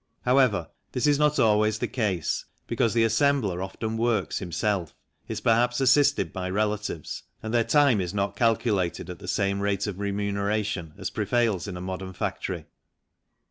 However, this is not always the case, because the assembler often works himself, is perhaps assisted by relatives, and their time is not calculated at the same rate of remuneration as prevails in a modern factory.